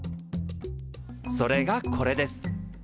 それがこれです。